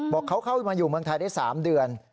บอกเขาเข้ามาอยู่เมืองไทยได้๓เดือน